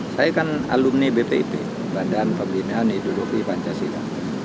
saya kan alumni bpip badan pembinan hidupi pancasila